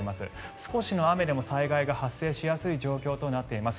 少しの雨でも災害が発生しやすい状況となっています。